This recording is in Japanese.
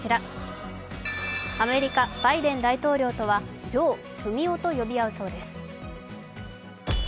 アメリカ・バイデン大統領とはジョー、フミオと呼び合うそうです